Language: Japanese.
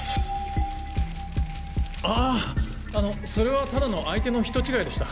あそれはただの相手の人違いでした。